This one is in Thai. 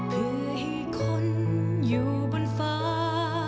เพื่อให้คนอยู่บนฟ้า